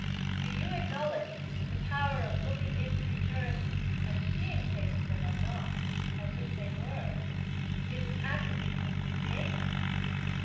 Do you acknowledge that the power of looking into futurity and seeing things that are not, as if they were, is an attribute of the Creator?